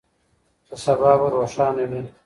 چې سبا به روښانه وي.